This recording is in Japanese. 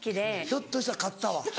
ひょっとしたら勝ったわ。